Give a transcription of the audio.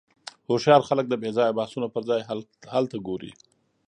هوښیار خلک د بېځایه بحثونو پر ځای حل ته ګوري.